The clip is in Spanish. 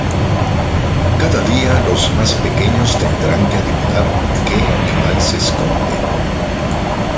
Cada día los más pequeños tendrán que adivinar que animal se esconde.